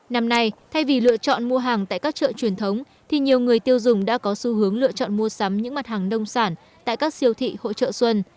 năm nay thay vì lựa chọn mua hàng tại các chợ truyền thống thì nhiều người tiêu dùng đã có xu hướng lựa chọn mua sắm những mặt hàng nông sản tại các siêu thị hội trợ xuân